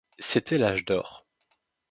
C'était l'âge d'or.